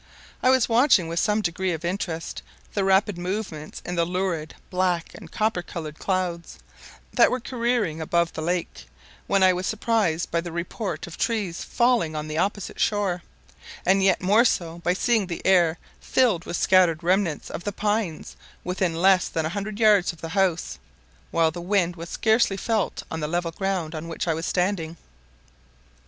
I was watching with some degree of interest the rapid movements in the lurid, black, and copper coloured clouds that were careering above the lake, when I was surprised by the report of trees falling on the opposite shore, and yet more so by seeing the air filled with scattered remnants of the pines within less than a hundred yards of the house, while the wind was scarcely felt on the level ground on which I was standing.